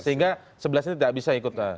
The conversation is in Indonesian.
sehingga sebelas ini tidak bisa ikut